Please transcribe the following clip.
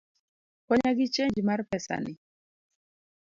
Konya gi chenj mar pesani